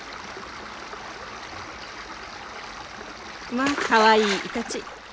まあかわいいイタチ！